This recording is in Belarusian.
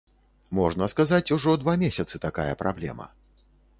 Можна сказаць, ужо два месяцы такая праблема.